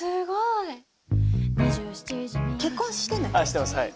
してますはい。